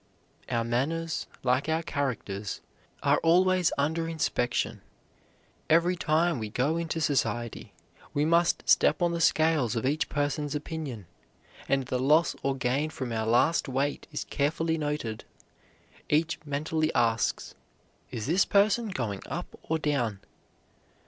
Our manners, like our characters, are always under inspection. Every time we go into society we must step on the scales of each person's opinion, and the loss or gain from our last weight is carefully noted. Each mentally asks, "Is this person going up or down?